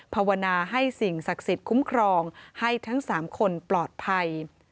ภาวนาให้สิ่งศักดิ์สิทธิ์คุ้มครองให้ทั้ง๓คนปลอดภัย